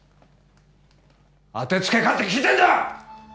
当てつけかって聞いてんだ！